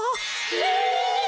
え！